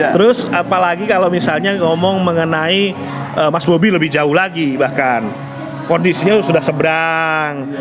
terus apalagi kalau misalnya ngomong mengenai mas bobi lebih jauh lagi bahkan kondisinya sudah seberang